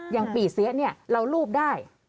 อย่างปี่เสียเนี่ยเรารูปได้